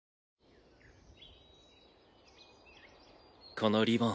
このリボン